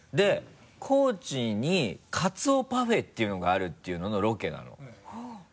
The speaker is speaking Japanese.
高知にカツオパフェっていうのがあるっていうののロケなの。